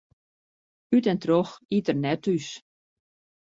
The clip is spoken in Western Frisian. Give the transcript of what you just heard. Ut en troch iet er net thús.